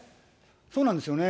そうなんですよね。